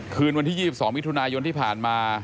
คืนวันที่๒๒มิถุนายนที่ผ่านมา